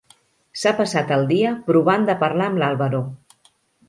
S'ha passat el dia provant de parlar amb l'Álvaro.